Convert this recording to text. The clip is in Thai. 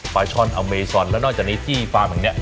ฟาชอลแอมเมซอนและนอกจากนี้ที่ฟาร์มแบบนี้